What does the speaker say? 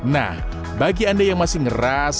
nah bagi anda yang masih ngeras